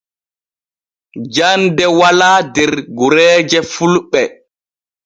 Jande wala der gureeje fulɓe.